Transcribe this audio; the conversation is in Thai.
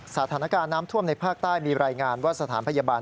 สถานการณ์น้ำท่วมในภาคใต้มีรายงานว่าสถานพยาบาล